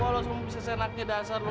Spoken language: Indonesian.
aduh satria ini